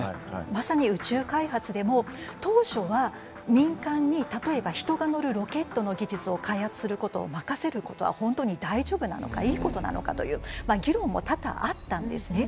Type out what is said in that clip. まさに宇宙開発でも当初は民間に例えば人が乗るロケットの技術を開発することを任せることは本当に大丈夫なのかいいことなのかという議論も多々あったんですね。